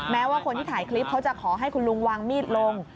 แม้ว่าคนที่ถ่ายคลิปเขาจะขอให้คุณลุงวางมีดลง